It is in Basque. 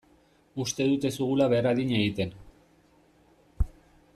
Uste dut ez dugula behar adina egiten.